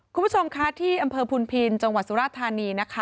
คุณผู้ชมคะที่อำเภอพุนพินจังหวัดสุราธานีนะคะ